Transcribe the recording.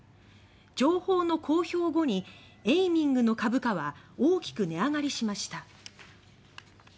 情報の公表後にＡｉｍｉｎｇの株価は大きく値上がりしました。